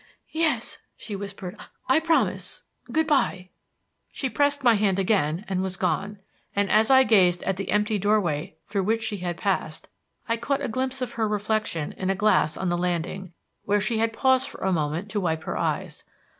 "Yes," she whispered: "I promise. Good by." She pressed my hand again and was gone; and, as I gazed at the empty doorway through which she had passed, I caught a glimpse of her reflection in a glass on the landing, where she had paused for a moment to wipe her eyes.